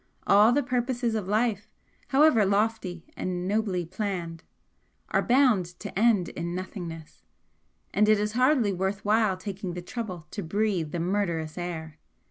All the purposes of life, however lofty and nobly planned, are bound to end in nothingness, and it is hardly worth while taking the trouble to breathe the murderous air!"